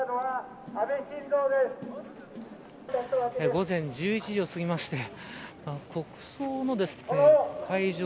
午前１１時を過ぎまして国葬の会場